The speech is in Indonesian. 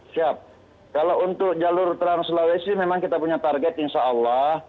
siap kalau untuk jalur trans sulawesi memang kita punya target insya allah